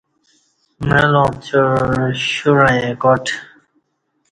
معلاں پڅیوع شوں وعیں کاٹ